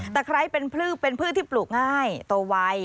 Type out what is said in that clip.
ไคร้เป็นพืชเป็นพืชที่ปลูกง่ายโตไว